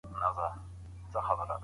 نجلۍ د هلک له زده کړو خبره نه وه.